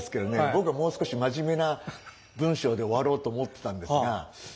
僕はもう少し真面目な文章で終わろうと思ってたんですが。